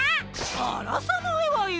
あらさないわよ！